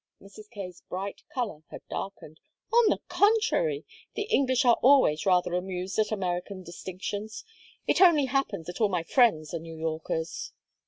Mrs. Kaye's bright color had darkened. "On the contrary, the English are always rather amused at American distinctions. It only happens that all my friends are New Yorkers."